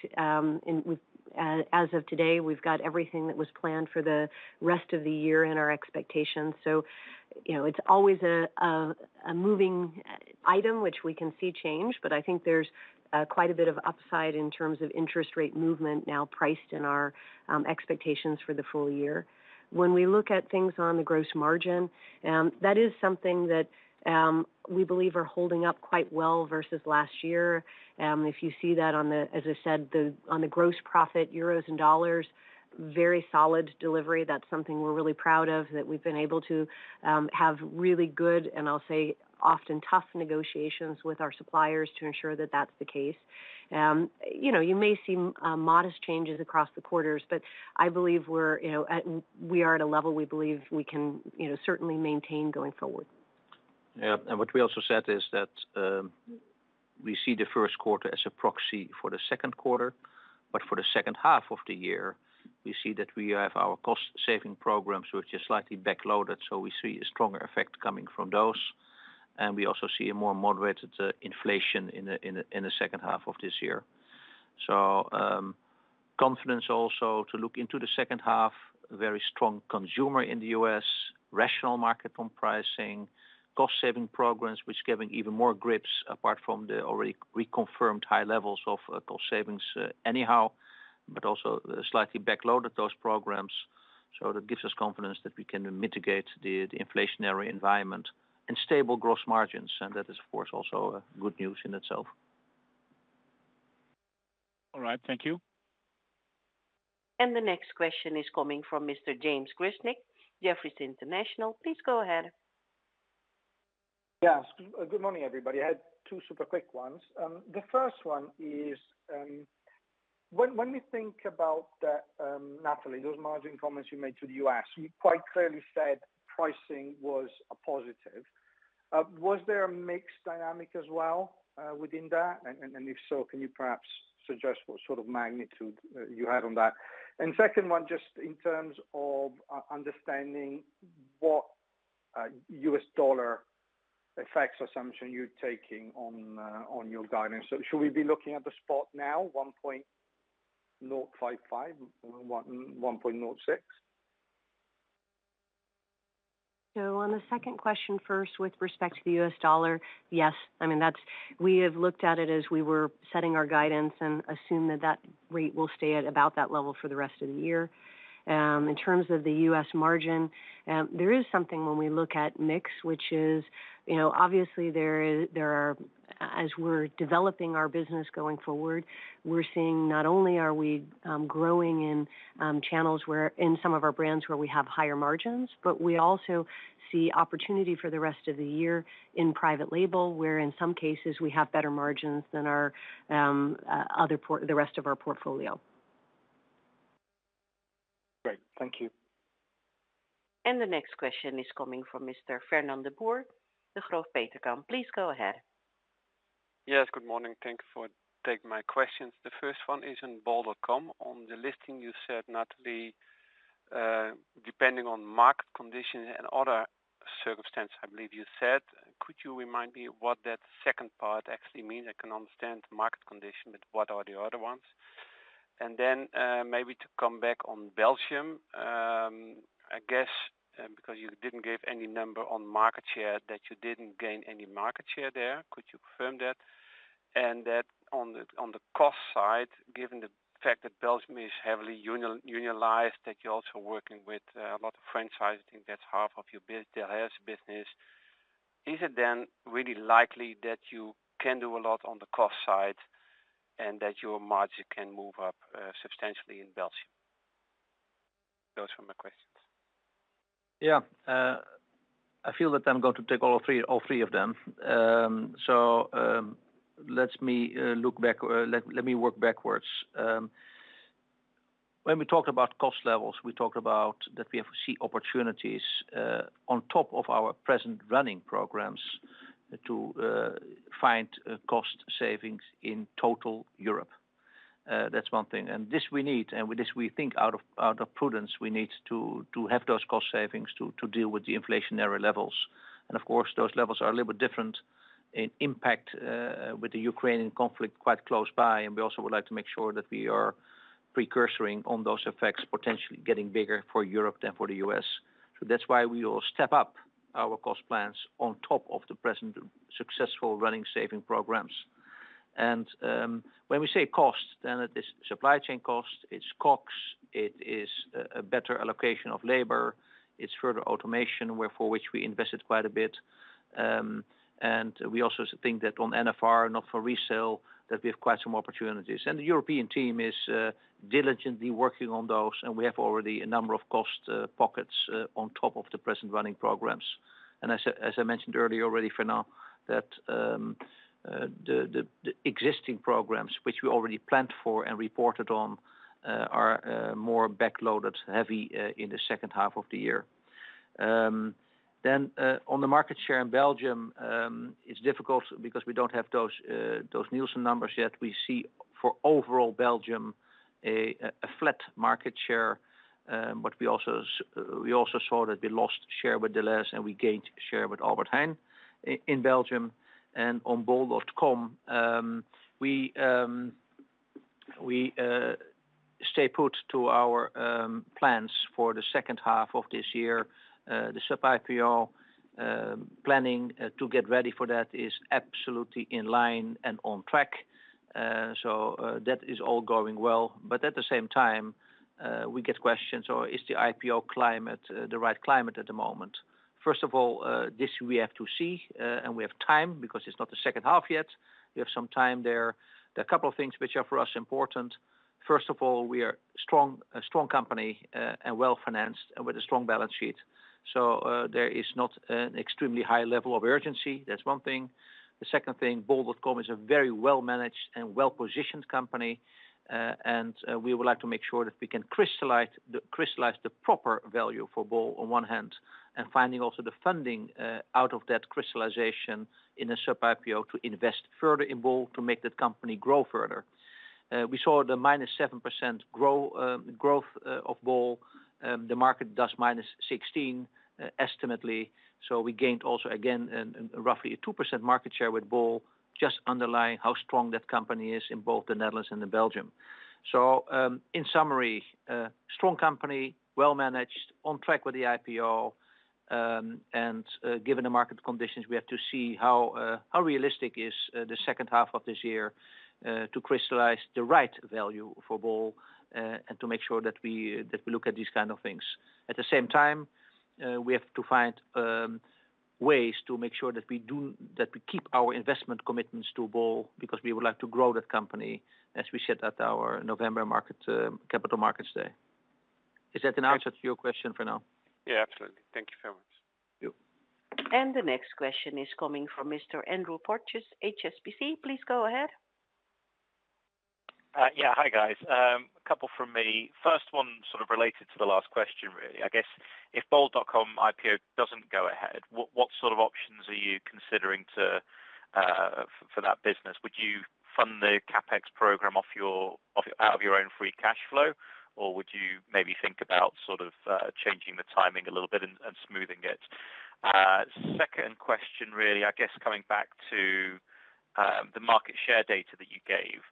as of today, we've got everything that was planned for the rest of the year in our expectations. It's always a moving item, which we can see change, but I think there's quite a bit of upside in terms of interest rate movement now priced in our expectations for the full year. When we look at things on the gross margin, that is something that we believe are holding up quite well vs last year. If you see that, as I said, on the gross profit, euros and dollars, very solid delivery. That's something we're really proud of, that we've been able to have really good, and I'll say often tough negotiations with our suppliers to ensure that that's the case. You know, you may see modest changes across the quarters, but I believe we're, you know, at a level we believe we can, you know, certainly maintain going forward. Yeah. What we also said is that we see the first quarter as a proxy for the second quarter, but for the second half of the year, we see that we have our cost saving programs, which are slightly backloaded. We see a stronger effect coming from those, and we also see a more moderated inflation in the second half of this year. Confidence also to look into the second half, very strong consumer in the U.S., rational market on pricing, cost saving programs, which giving even more grips apart from the already reconfirmed high levels of cost savings, anyhow, but also slightly backloaded those programs. That gives us confidence that we can mitigate the inflationary environment and stable gross margins. That is of course also a good news in itself. All right. Thank you. The next question is coming from Mr. James Grzinic, Jefferies International. Please go ahead. Yes. Good morning, everybody. I had two super quick ones. The first one is, when we think about that, Natalie, those margin comments you made to the U.S., you quite clearly said pricing was a positive. Was there a mixed dynamic as well, within that? And if so, can you perhaps suggest what sort of magnitude you had on that? And second one, just in terms of understanding what U.S. dollar effects assumption you're taking on your guidance. Should we be looking at the spot now, 1.055-1.06? On the second question first with respect to the U.S. dollar, yes. I mean, that's. We have looked at it as we were setting our guidance and assume that that rate will stay at about that level for the rest of the year. In terms of the U.S. margin, there is something when we look at mix, which is, you know, obviously as we're developing our business going forward, we're seeing not only are we growing in channels where in some of our brands where we have higher margins, but we also see opportunity for the rest of the year in private label, where in some cases we have better margins than our the rest of our portfolio. Great. Thank you. The next question is coming from Mr. Fernand de Boer, Degroof Petercam. Please go ahead. Yes, good morning. Thank you for taking my questions. The first one is on bol.com. On the listing, you said, Natalie, depending on market condition and other circumstance, I believe you said. Could you remind me what that second part actually means? I can understand market condition, but what are the other ones? And then, maybe to come back on Belgium, I guess, because you didn't give any number on market share, that you didn't gain any market share there. Could you confirm that? And that on the, on the cost side, given the fact that Belgium is heavily unionized, that you're also working with a lot of franchising, that's half of your Delhaize business. Is it then really likely that you can do a lot on the cost side and that your margin can move up substantially in Belgium? Those were my questions. Yeah. I feel that I'm going to take all three of them. Let me work backwards. When we talk about cost levels, we talk about that we have to see opportunities on top of our present running programs to find cost savings in total Europe. That's one thing. This we need, and with this, we think out of prudence, we need to have those cost savings to deal with the inflationary levels. Of course, those levels are a little bit different in impact with the Ukrainian conflict quite close by. We also would like to make sure that we are precursoring on those effects potentially getting bigger for Europe than for the U.S. That's why we will step up our cost plans on top of the present successful running saving programs. When we say costs, then it is supply chain costs, it's COGS, it is a better allocation of labor, it's further automation where for which we invested quite a bit. We also think that on NFR, not for resale, that we have quite some opportunities. The European team is diligently working on those, and we have already a number of cost pockets on top of the present running programs. As I mentioned earlier already, Fernand, that the existing programs which we already planned for and reported on are more backloaded heavy in the second half of the year. On the market share in Belgium, it's difficult because we don't have those Nielsen numbers yet. We see for overall Belgium a flat market share. We also saw that we lost share with Delhaize, and we gained share with Albert Heijn in Belgium. On bol.com, we stick to our plans for the second half of this year. The sub-IPO planning to get ready for that is absolutely in line and on track. That is all going well. At the same time, we get questions. Is the IPO climate the right climate at the moment? First of all, this we have to see, and we have time because it's not the second half yet. We have some time there. There are a couple of things which are for us important. First of all, we are strong, a strong company, and well-financed and with a strong balance sheet. There is not an extremely high level of urgency. That's one thing. The second thing, bol.com is a very well-managed and well-positioned company, and we would like to make sure that we can crystallize the proper value for bol on one hand, and finding also the funding out of that crystallization in the sub-IPO to invest further in bol to make that company grow further. We saw the -7% growth of bol. The market does -16%, estimated. We gained also, again, roughly 2% market share with bol, just underlying how strong that company is in both the Netherlands and Belgium. In summary, a strong company, well-managed, on track with the IPO, and given the market conditions, we have to see how realistic is the second half of this year to crystallize the right value for bol, and to make sure that we look at these kind of things. At the same time, we have to find ways to make sure that we keep our investment commitments to bol because we would like to grow that company, as we said at our November Capital Markets Day. Is that an answer to your question for now? Yeah, absolutely. Thank you very much. Yep. The next question is coming from Mr. Andrew Porteous, HSBC. Please go ahead. Yeah. Hi, guys. A couple from me. First one sort of related to the last question, really. I guess if bol.com IPO doesn't go ahead, what sort of options are you considering for that business? Would you fund the CapEx program out of your own free cash flow? Or would you maybe think about sort of changing the timing a little bit and smoothing it? Second question, really, I guess coming back to the market share data that you gave.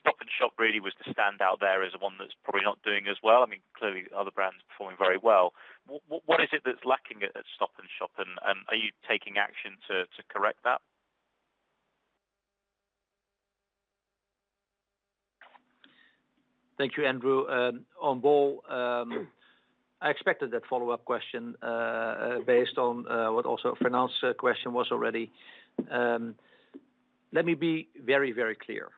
Stop & Shop really was the standout there as the one that's probably not doing as well. I mean, clearly, other brands are performing very well. What is it that's lacking at Stop & Shop and are you taking action to correct that? Thank you, Andrew. On bol, I expected that follow-up question, based on the fact that the finance question was already. Let me be very, very clear.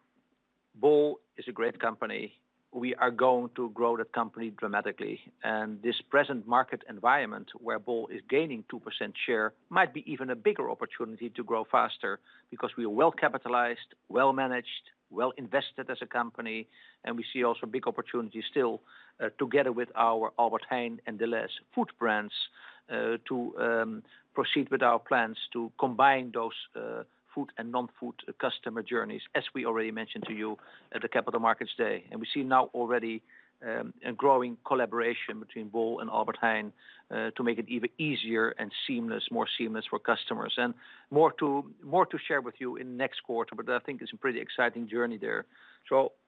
Bol is a great company. We are going to grow that company dramatically. This present market environment where bol is gaining 2% share might be even a bigger opportunity to grow faster because we are well-capitalized, well-managed, well invested as a company, and we see also big opportunities still, together with our Albert Heijn and Delhaize food brands, to proceed with our plans to combine those food and non-food customer journeys, as we already mentioned to you at the Capital Markets Day. We see now already a growing collaboration between bol and Albert Heijn to make it even easier and seamless, more seamless for customers. More to share with you in next quarter. I think it's a pretty exciting journey there.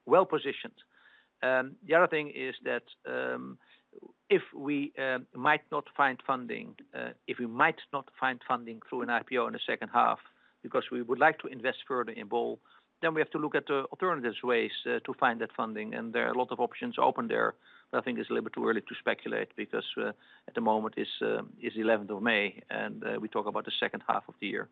Well-positioned. The other thing is that, if we might not find funding through an IPO in the second half because we would like to invest further in bol, then we have to look at the alternative ways to find that funding. There are a lot of options open there that I think is a little bit too early to speculate because at the moment it's eleventh of May, and we talk about the second half of the year.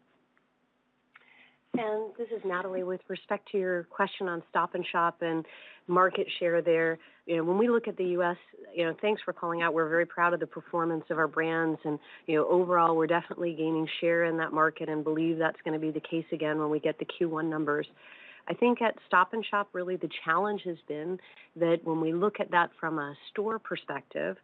Sam, this is Natalie. With respect to your question on Stop & Shop and market share there, you know, when we look at the U.S., you know, thanks for calling out. We're very proud of the performance of our brands and, you know, overall, we're definitely gaining share in that market and believe that's gonna be the case again when we get the Q1 numbers. I think at Stop & Shop, really the challenge has been that when we look at that from a store perspective,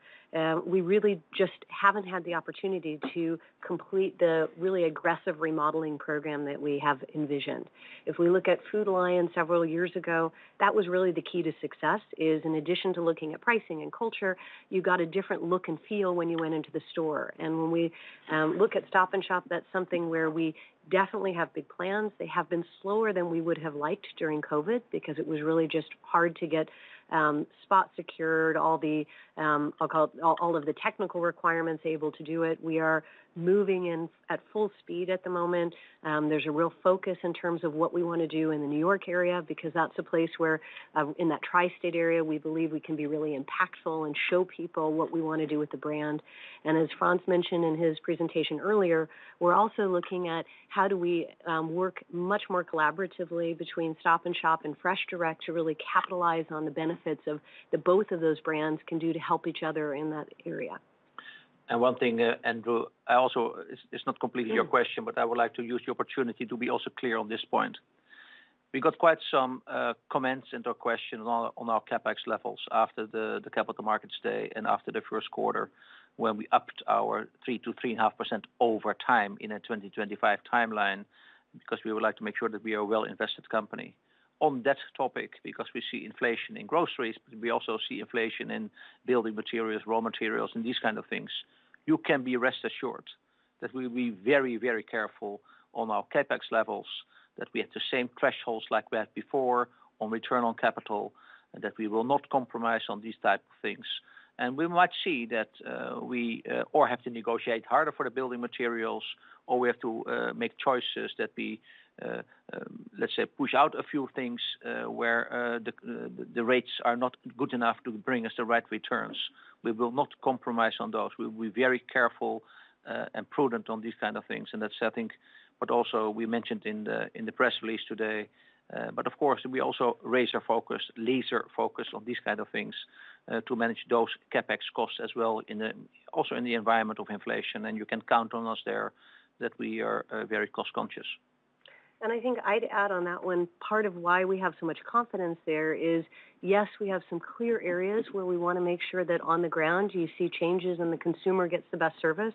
we really just haven't had the opportunity to complete the really aggressive remodeling program that we have envisioned. If we look at Food Lion several years ago, that was really the key to success, is in addition to looking at pricing and culture, you got a different look and feel when you went into the store. When we look at Stop & Shop, that's something where we definitely have big plans. They have been slower than we would have liked during COVID because it was really just hard to get spot secured, all the, I'll call it, all of the technical requirements able to do it. We are moving in at full speed at the moment. There's a real focus in terms of what we wanna do in the New York area because that's a place where, in that tri-state area, we believe we can be really impactful and show people what we wanna do with the brand. As Frans mentioned in his presentation earlier, we're also looking at how do we work much more collaboratively between Stop & Shop and FreshDirect to really capitalize on the benefits of the both of those brands can do to help each other in that area. One thing, Andrew, I also, it's not completely your question, but I would like to use the opportunity to be also clear on this point. We got quite some comments or questions on our CapEx levels after the capital markets day and after the first quarter when we upped our 3%-3.5% over time in a 2025 timeline, because we would like to make sure that we are a well-invested company. On that topic, because we see inflation in groceries, but we also see inflation in building materials, raw materials, and these kind of things, you can rest assured that we'll be very, very careful on our CapEx levels, that we have the same thresholds like we had before on return on capital, and that we will not compromise on these type of things. We might see that we or have to negotiate harder for the building materials, or we have to make choices that we let's say push out a few things where the rates are not good enough to bring us the right returns. We will not compromise on those. We'll be very careful and prudent on these kind of things, and that's, I think. We also mentioned in the press release today, but of course, we also razor-focused, laser-focused on these kind of things to manage those CapEx costs as well in the environment of inflation. You can count on us there that we are very cost-conscious. I think I'd add on that one part of why we have so much confidence there is, yes, we have some clear areas where we wanna make sure that on the ground you see changes and the consumer gets the best service.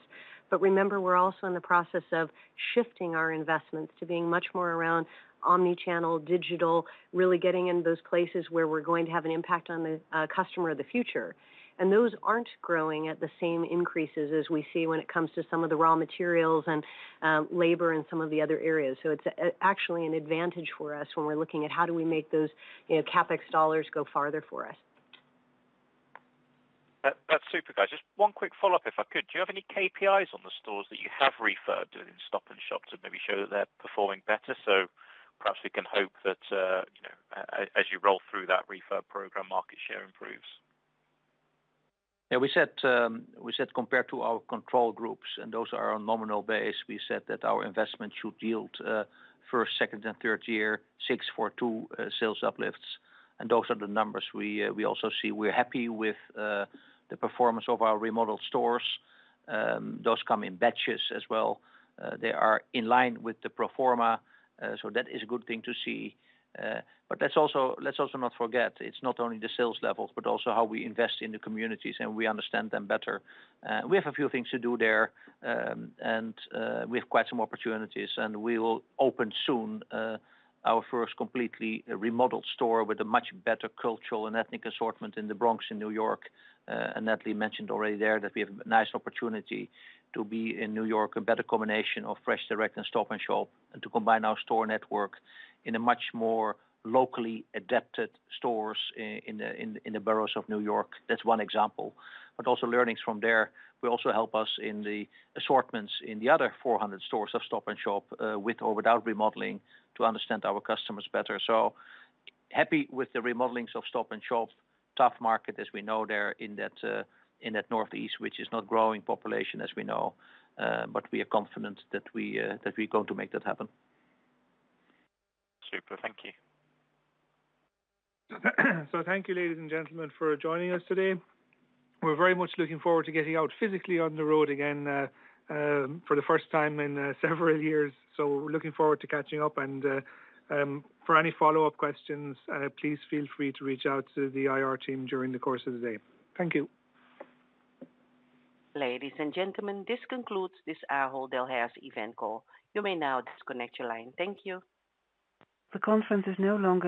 Remember, we're also in the process of shifting our investments to being much more around omni-channel, digital, really getting in those places where we're going to have an impact on the customer of the future. Those aren't growing at the same increases as we see when it comes to some of the raw materials and labor and some of the other areas. It's actually an advantage for us when we're looking at how do we make those, you know, CapEx dollars go farther for us. That, that's super, guys. Just one quick follow-up if I could. Do you have any KPIs on the stores that you have refurbed in Stop & Shop to maybe show that they're performing better? Perhaps we can hope that, you know, as you roll through that refurb program, market share improves. We said compared to our control groups, and those are on nominal basis, we said that our investment should yield first, second, and third year six, four, two sales uplifts, and those are the numbers we also see. We're happy with the performance of our remodeled stores. Those come in batches as well. They are in line with the pro forma, so that is a good thing to see. But let's also not forget, it's not only the sales levels, but also how we invest in the communities and we understand them better. We have a few things to do there. And we have quite some opportunities, and we will open soon our first completely remodeled store with a much better cultural and ethnic assortment in the Bronx in New York. Natalie mentioned already there that we have a nice opportunity to be in New York, a better combination of FreshDirect and Stop & Shop, and to combine our store network in a much more locally adapted stores in the boroughs of New York. That's one example. Also learnings from there will also help us in the assortments in the other 400 stores of Stop & Shop, with or without remodeling to understand our customers better. Happy with the remodelings of Stop & Shop. Tough market as we know there in that northeast, which is not growing population as we know. We are confident that we're going to make that happen. Super. Thank you. Thank you, ladies and gentlemen, for joining us today. We're very much looking forward to getting out physically on the road again, for the first time in several years. We're looking forward to catching up and for any follow-up questions, please feel free to reach out to the IR team during the course of the day. Thank you. Ladies and gentlemen, this concludes this Ahold Delhaize event call. You may now disconnect your line. Thank you. The conference is no longer.